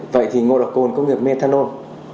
vậy thì ngộ độc cồn công nghiệp methanol